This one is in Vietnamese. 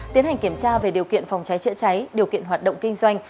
tiến hành kiểm tra về điều kiện phòng cháy chữa cháy điều kiện hoạt động kinh doanh